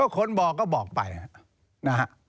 คนบอกก็บอกไปนะฮะ